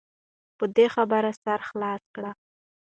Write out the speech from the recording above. په دې خبره دې سر خلاص کړه .